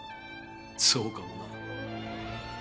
そうかもな。